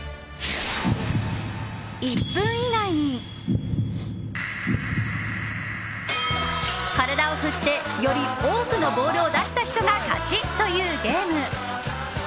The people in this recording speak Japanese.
１分以内に、体を振ってより多くのボールを出した人が勝ちというゲーム。